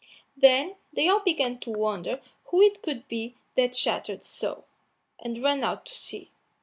Then they all began to wonder who it could be that chattered so, and ran out to see.